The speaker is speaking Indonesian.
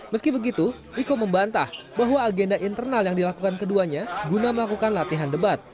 meski begitu riko membantah bahwa agenda internal yang dilakukan keduanya guna melakukan latihan debat